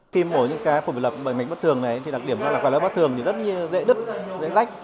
khi mổ những cá phổi biệt lập bằng mạch bất thường này đặc điểm là quả lỡ bất thường rất dễ đứt dễ rách